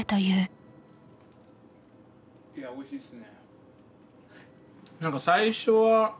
いやおいしいっすね。